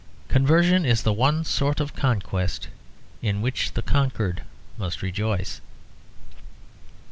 Conversion is the one sort of conquest in which the conquered must rejoice.